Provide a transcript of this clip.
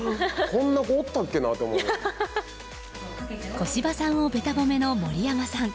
小芝さんをべた褒めの盛山さん。